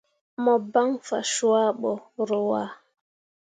Mo ban fa cuah bo rǝwaa.